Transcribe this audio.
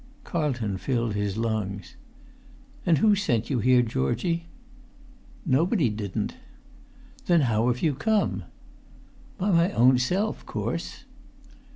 Carlton filled his lungs. "And who sent you here, Georgie?" "Nobody di'n't." "Then how have you come?" "By my own self, course."